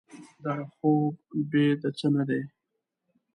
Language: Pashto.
دغه خوب بې د څه نه دی.